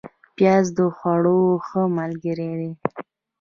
پیاز د خوړو ښه ملګری دی